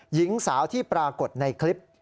หญิงสาวที่ปรากฏในคลิป